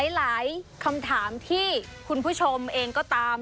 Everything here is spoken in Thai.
หลายคำถามที่คุณผู้ชมเองก็ตาม